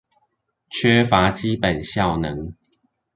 缺乏基本效能